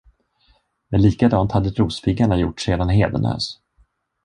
Men likadant hade rospiggarna gjort sedan hedenhös.